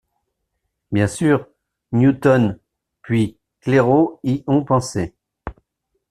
Bien sûr, Newton, puis Clairaut y ont pensé.